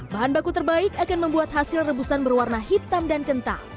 bahan baku terbaik akan membuat hasil rebusan berwarna hitam dan kental